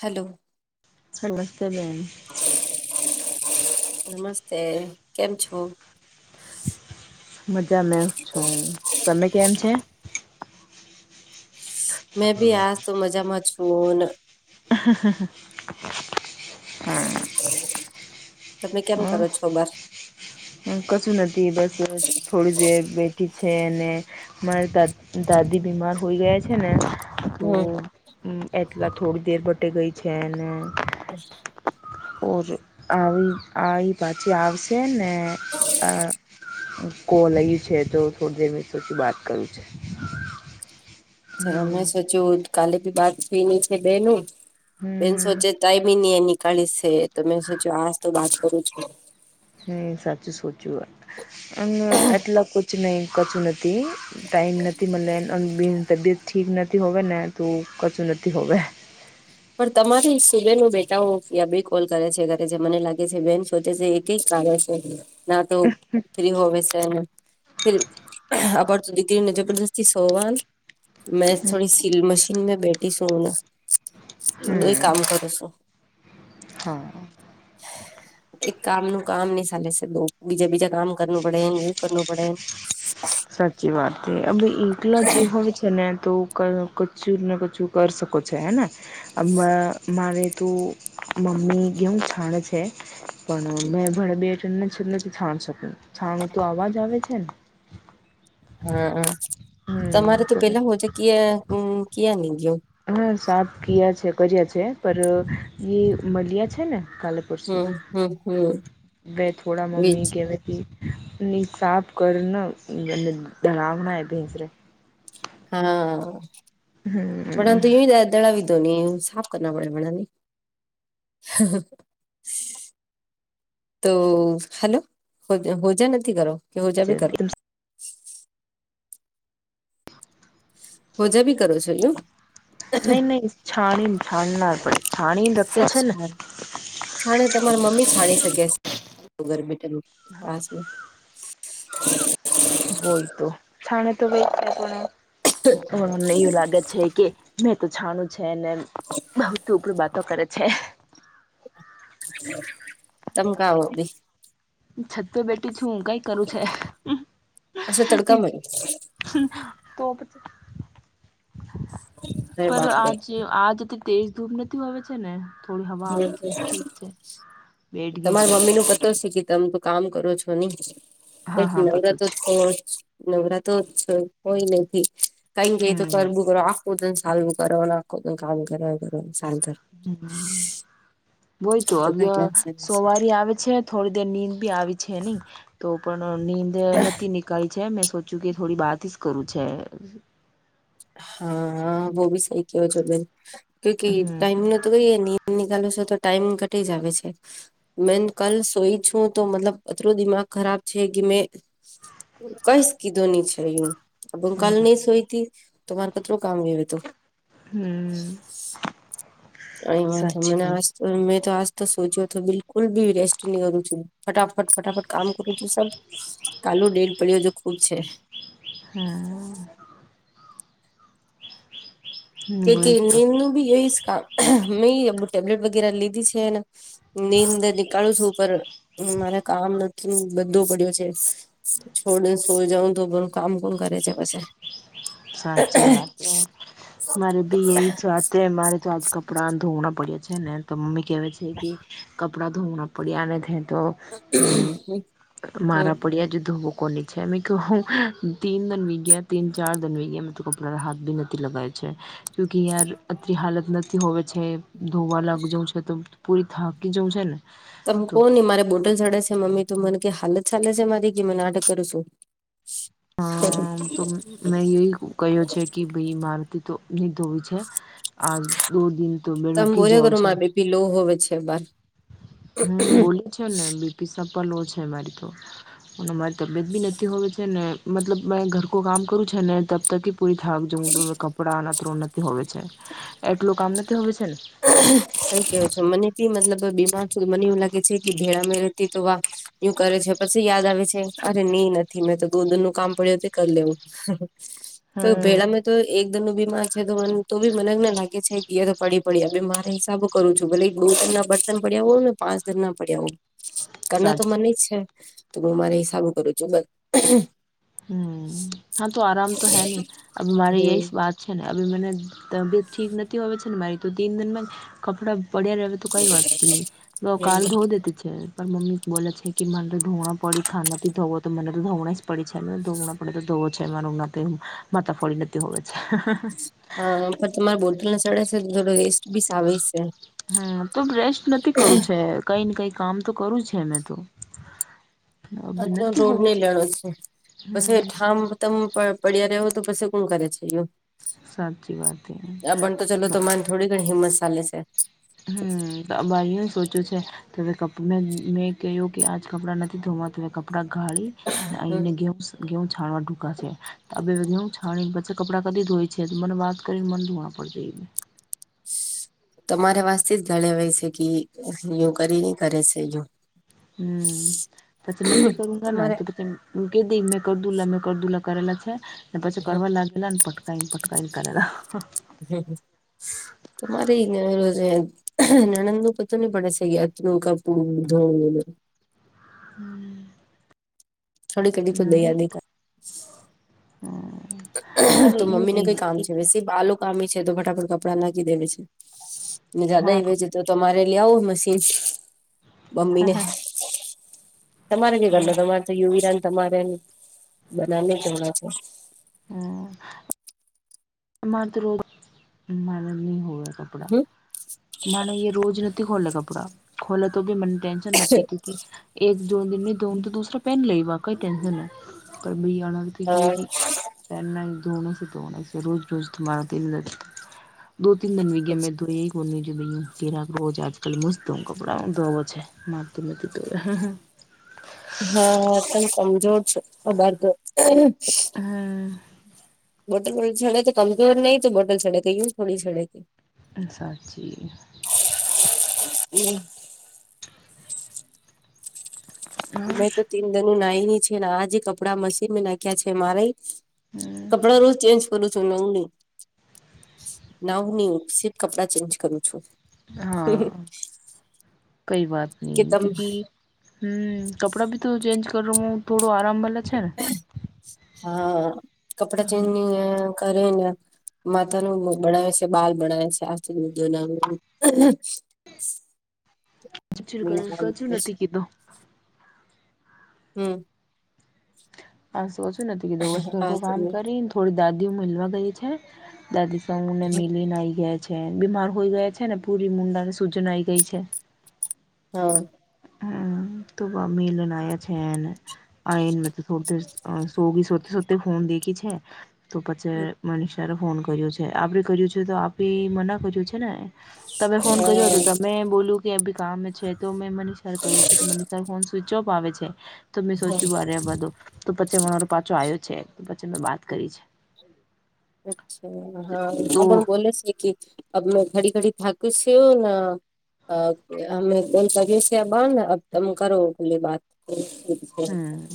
Hello સમસ્તે બેન. નમસ્તે. કેમ છો? મજામે છું. તમે કેમ છે? મેં ભી આજ તો મજામાં છું, અને [unintelligible] તમે કેમ કરો છો? બસ. હ કશું નથી? બસ થોડી દેર મે ઠીક છે ને. મારા દાદા-દાદી બીમાર હોય ગયા છે ને. તો હમ એટલા થોડી દેર બટે ગઈ છે ને. [unintelligible] ઓર આવી આઈ પાછી આવશે ને. કોલઈ છે, તો થોડી દેર મે સોછી વાત કરું છે. તમે હમ સોચ્યું હેઈ કાલેજ બાત પીની છે બે નું. [unintelligible] બે સોચે ટાઈમી નહી નીકાળી છે, તો મેં સોચ્યું આજ તો બાત કરું છું. હમ, સાચું સોચ્યું વાત અને એટલા બ કચ ન કચું નથી ટાઈમ નથી મળે, અને બ તબિયત ઠીક નથી, હોવે ને તો કચું નથી હોવેે. પણ તમારી સુબેનો બેટાઓ ત્યાં બે કોલ કરે છે, કરે છે, મને લાગે છે, બેન સોચે છે. થીક લાગેશે ના તો. ફ્રી હ છે, ફ આર તો દીકરીને જબરદસ્તી સોવાન મેં થોડી સીલ મશીન મે બેઠી છું ના. તું કાંય હમ કામ કરું છું. હા. [unintelligible] એક કામનું કામ નહી, સાલી શકતું, બીજે બીજા કામ કરવું પડે, એ કરવું પડે. [unintelligible] સાચી વાત છે, અવે એકઇલોજી હોવે છે ને તો. ક કચું ના કચું કરી શકો છે હે. આમા મારેતું મમ્મી કેમ છાણે છે. પણ મેં ભલે બે ટન છે, એટલે છાણ શકું છાણું તો આવાજ આવે છે ને. હમં તમારે હમ તો તમે પેલા પોચી ક ક્યા ની ગયો. હા, સાફ કયા છે, કર્યા છે, પર એ મળ્યા છે ને કાલે. પરસું હમ હમ હમ બે થોડા બીજ મમી ગવાથી. ની સાફ કરીના ધામે મીશરે. હા, પણ તું દળાવી દો ને, સાફ કરના પડે મ ને. હ, હુ. તો હલો, હોજા નથી કરો કે, હોજા ભી કરો. હોજા બી કરો છો એ. નહી, નહી છાણીને, છાણીનાર પણ છાણીને સબ ધકે છે ને. છાણ છાણે તમારા મમ્મી છાણી શકે્યાર [unintelligible] બોલ તો, છણ તો ભાઈને એ લાગત છે કે. મેં તો છાણું છે ને, બહુ ઉપરું વાતો કરે છે. તમકાાવ ભી [unintelligible] છત બેટી છું, હુ કઈ કરું છે. અચ્છા તડકામાં હ તો. પર બાપરે આજે આજથી તેજ ધૂપ નથી હો છે ને. થોડી હવા હ આવે છે તો ઠીક છે બેઠ [unintelligible] ગઈ છે તમારા મમ્મી નું પતો [inaudible] છે કે તમ તો. કામ કરો છો ની કંઈક ને હા એક હા બધું નગતો જ છો, નવરા તો [unintelligible] કોઈ નથી કઈ ગઈ તો કર. હમ [inaudible] કો સારું કરના કો કામ કરે કરવાર. [unintelligible] વોઇ તો અબ યા ટેન્શન છે સોવારી આવે છે. થોડી દેર નીંદ બી આવી છે નહી. તો પણ નીંદ નથી નીકળી છે મેં સોચ્યું કે થોડી બાત જ કરું છે. હા વો ભી સહી કેય છો બેન કયુકી હમ ટાઈમ નો. તો કઇ ની નિકાલો છ તો ટાઈમ કટી જા આવે છે. મે કાલ સોઈ છું તો મતલબ અતરો દિમાગ ખરાબ છે કે મેં. કઈશ કીધું ની છે યુ અબારુ હમ કલની સોયી થી. તમારે મારે કતરો કામ વિયો વૈતું. હમ. અહી [inaudible] સાચી મનાવે છે. મેં તો આજ તો સોચ્યો હતો બિલકુલ ભી રેસ્ટ ની કરું છું ફટાફટ ફટાફટ કામ કરું છું સબ. કાલું દેડ પડ્યો જો ખુબ છે. હમ. કે વહી તો નેમનું બી એ કામ, મેં ટેબ્લેટ વગેરે લીધી છે એને. નીઅંદર નીકાળુ છું પર મારા કામ નથી બધો પડ્યો છે. છોડીને સૂઈ જાઉં તો બધુ કામ કોણ કરે છે પછ. સાચી વાત હે, મારે ભી એ છે વાતે મારે તો આજ કપડાં ધોવણાં પડ્યા છે ને તો મમ્મી કેહેવે છે. કે કપડા ધોના પડીયાને તો. હમ હમ મારા પડીયા જો ધોવું કોને. જે મૈં ક્યુ તીન દન બી ગયા તિન ચાર. વે ગયા કપડા હાથ ભી નથી લગાયા છે ક્યુકી કે યાર અતરી હાલત નથી હોવે છે. ધોવા લાગ જવું છે તો પૂરી થાકી જવુ છે ને. તમ તો કો ની મારે બોટલ ચડે છે મમ્મી તો મને કે હાલત ચાલે છે મારી કે મે નાટક કરું છું. [inaudible] તો મેં યુ એ કહ્યો છે કે ભાઈ મારથી તો નહીં ધોવી છે. આજ દો દિન તો બે તમે રૂકી બોલ્યા જાઓ છે. [inaudible] હોવે છે બાહર. હ બોલી છે ને બી પી સપા લો છે મારી તો. મારી તબિયત બી નથી હોવે છે ને મતલબ મેં ઘર કો કામ કરું છે ને તબ તકી. પુરી થાક જવુ કપડા અના અતરો નથી હોવે છે એટલોક કામ નાતી હોવે છે ને. કઈ કેવાય છે મનેથી મતલબ બીમાર મને એવું લાગે છે કે કેળામાં રહેતી તો વા. યુ કરે છે પછી યાદ આવે છે અરે નહી નથી મેં તો દો દિન રો કામ પડ્યું તે કરી લેવું. [inaudible] હમ પહેલા મેતો એક દન ન બીમાર છે તો મને તો બી મનેને લાગે છે તો પડી. પડ્યા બે મારા હિસાબે કરું છું ભલે એક દો દન રા બર્તન પડ્યા ને પાંચ દન રા પડ્યા હો. કરના તો સાચી મને જ છે તો હું મારે હસાબે કરું છું બસ. હમ હા તો આરામ તો હે ન અબ મારે હમ યેસ બાત. છે ને અી મને તબિયત ઠીક નથી હોવે છે ને મારી તો તીન દનમાં જ કપડાં પડ્યા રહે. તો કઈ વાત ની, કાલ ધો દેતી છે પણ મમ્મી બોલા છે. કે મને તો ધોવણા પડી થા નાથી ધવો તો મને તો ધોવણા જ પડે છે. [unintelligible] પડે તો ધોવો છે મારું નાતીન માથા ફોડી લેતી હોવે છે. હા પણ તમારી બોટલ ને ચડે છે તો થોડો વેસ્ટ બીસ આવી છે. હમ તો રેસ્ટ નથી કરું છે કઈ ને કઈ કામ તો કરું છે ને તું. આટલો રોડ ની લેડો છે પછી હમ ઠામ તમ પણ પડ્યાં રહો તો પછી કોણ કરે છે ઇલો. સાચી વાત. ચલો [unintelligible] તમારે થોડી ઘણી હિંમત સાલે છે. હમ ભાઈ સોચું છે. તો કપ મે મે કહ્યું કે આજ કપડાં નથી ધોવા. મે કપડાં ઘાલી હમ અને ઘેઉ ઘેઉ છાણવા ટુકા છે. આ બે બધી હું છાણી પછી કપડાં કદી ધોય છે. મને વાત કરીને મન ધુણા [unintelligible] તમારે વાસતિસ ઘલેવાય છે કી યોગારી કરે છે જો. હમ. પછી નથી કરું ગાના તમારે તો પછી કધી મે કર દુલા મે કર દુલા કરેલા છે. ને પછી કરવા લાગ એલાને પટકાયને પટકાયને કરલો. હમ હ. તમારે [unintelligible] નંણદને તપલિક પડે છે કપડું ધો હમ. થોડી ઘડી તો દયા [unintelligible] હમ. તો મમ્મી ને કઈ કામ છે વેસે બાલ કામી છે તો ફટાફટ કપડા નાખી દે પછી. ને હા જાદાએ તો તમારે લેઆવો મશીન મમ્મીને. તમારે [unintelligible] તમારે તો યુવિરાને તમારે બધાને ધોવડાવ જો? હમ. માત રોગ મારે ની હોવે. કપડા હ માને યે રોજ નથી ખોલે કપડા ખોલે તો બી મને ટેન્શન છે નથી ક્યુ કે એક જોડી ની ધોવ તો દૂસરો પેન લઈ બા. કંઈ ટેન્શન નથી. પણ હા [unintelligible] પહેના ધોણ છે ધોણ છે. રોજ રોજ [unintelligible] દો તીન દિન હોય ગય મે ધોઈ એક [unintelligible] આજકાલ મસ્ત હું કપડા ધોવા છું. મારે તો નથી ધોવાય. હા તમે કમજોર છો [unintelligible] હા. બોટલ નઈ છડે તો કમજોર નઈ તો બોટલ છડે તે [unintelligible] હ સાચી હમ. [inaudible] હા મે તો તીન દિન નાઈ ની છે ને આ જે કપડાં મશીનમાં નાખ્યા છે મારે. કપડા રોજ ચેન્જ કરું છું. નાવ ની નાવને પછી જ કપડા ચેન્જ કરું છું. હા. કઈ વાત કે ની તમ ક્યુકી હમ કપડાભી તો ચેન્જ કરવું થોડો આરામ મલે. હા કપડા ચેન્જ ની ય કરને માતાનો લોકો બડાવે છે બાલ બડાવે છે. [unintelligible] [inaudible] કશું નથી કીધો. હમ. આ સોચું નથી કીધું, રોજ ઘરનું કામ કરીને થોડી દાદીને મલવા ગઈ છે. દાદી મિલીને આવી ગયા છે. બીમાર હોય ગયા છે ને, પૂરી મુંડા ને સૂજન આઈ ગઈ છે. હ. હમ્મ તો, મિલન આયા છેન આયન [unintelligible] સોગી સોતે સોતે દેખી છે તો, પછી મનીષ ત્યારે ફોન કર્યો છે, આપણે કર્યું છે, તો આપી મના કર્યું છે ને. તમે ફોન કર્યો હતો, તમે બોલ્યું કે, અભી કામ છે. તો મેં મને સર ક્યું છે, તો મને સર ફોન સ્વિચ ઓફ આવે છે, તો મેં હા સોચ્યું બારે બધુ. તો પછી મા મારો પાછો આવ્યો છે, તો પછી મેં બાત કરી છે. અચ્છા, હા, તો આપણ બોલે છે કે અબ મેં ઘડી ઘડી થાકું છું, ન અમે બોલ કરીએ. બંધ કરો, ઓલી બાત. હમ્મ.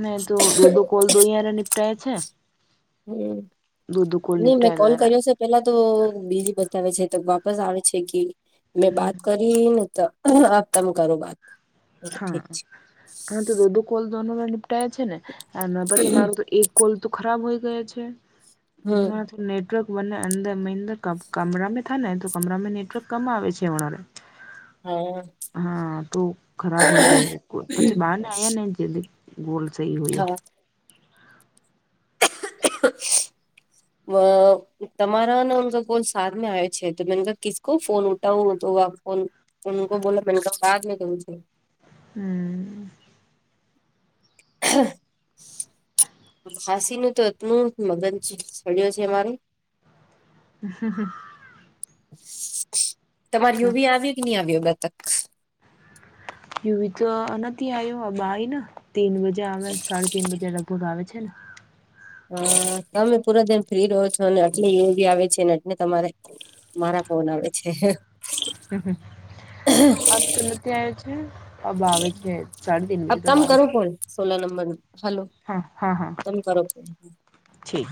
મેં તો દો દો કોલ દોહિ નિપટાયા છે. હમ્મ, દો દો કોલ નહી મેં નિપટાયા કોલ દ્વારા કર્યો છે. પેલા તો બીજી બતાવે છે, તો વાપસ આવે છે કે, મેં બાત ક રિનેતો તન કરું બાત. હા, ઠીક છે હા, તો દો-દો કોલ દોનો ને, નીપટાયા છે ને, અને પછી મારું તો એક કોલ તો ખરાબ હોઈ ગયા છે, હમ ના તો નેટ વર્ક બંને અંદર કામરામાં થાય ને, તો કામરામાં નેટવર્ક કમ આવે છે. [inaudible] હા, તો ખરાબ હોય ગયા, પછી બહાર ને આવ્યા ને જલ્દી. ગોલ સહી હોયો. હા [inaudible] તમારા કોલ સામને આવે છે, તો મે કિસકો ફોન ઉ ઠાઉ તો બોલો [unintelligible] હમ્મ. [inaudible] ખાંસીનું તો એતલું મગજ સડ્યો છે, મારુ. [unintelligible] તમાર યુવી આવ્યો કે, નહી આવ્યો બે તક. યુવી તો નથી આઈવો, બા આવી ને, તીન બજે આવે, સાડા તીન બજે, લગભગ આવે છે ને. હા, તમે પુરા દિન ફ્રી રહો છો, અને આટલી યુવી આવે છે ને, એટલે તમારે મારા ફોન આવે છે‌. હમ્મ, હ, આપતો નથી આવ છે. અબ આવ આવેે છે, સાઢે તીન અ બજે તક તમે આવેે કરો છે. કોણ સોલા નંબર હલો. હા, હા, હા, તમે કરો ફોન છે.